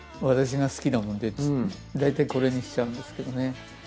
私が好きなもんでだいたいこれにしちゃうんですけどね。